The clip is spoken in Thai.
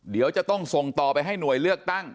เดี๋ยวจะต้องส่งต่อไปให้หน่วยเลือกตั้ง